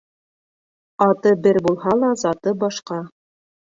Аты бер булһа ла, заты башҡа.